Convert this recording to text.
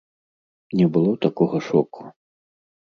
Не было такога шоку.